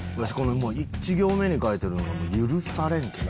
１行目に書いてあるのが許されんってなる。